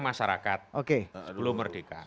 masyarakat oke sebelum merdeka